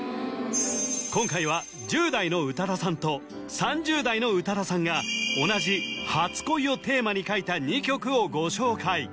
今回は１０代の宇多田さんと３０代の宇多田さんが同じ「初恋」をテーマに書いた２曲をご紹介